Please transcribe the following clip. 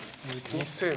２，０００